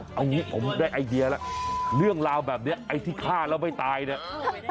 เอางี้ผมได้ไอเดียแล้วเรื่องราวแบบนี้ไอ้ที่ฆ่าแล้วไม่ตายเนี่ย